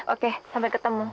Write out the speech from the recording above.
oke sampai ketemu